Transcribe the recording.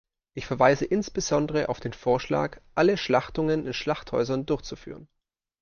Ich verweise insbesondere auf den Vorschlag, alle Schlachtungen in Schlachthäusern durchzuführen.